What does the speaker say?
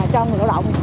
cho người lao động